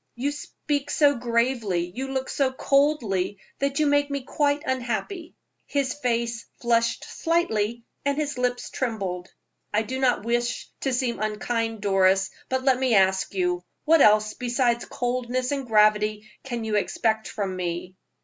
You speak so gravely, you look so coldly, that you make me quite unhappy." His face flushed slightly and his lips trembled. "I do not wish to seem unkind, Doris, but let me ask you what else besides coldness and gravity can you expect from me?"